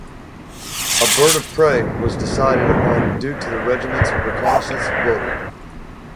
A bird-of-prey was decided upon due to the regiment's reconnaissance role.